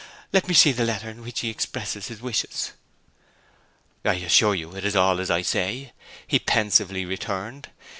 Let me see the letter in which he expresses his wishes.' 'I assure you it is all as I say,' he pensively returned.